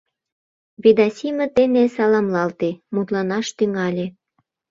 Ведасимыт дене саламлалте, мутланаш тӱҥале.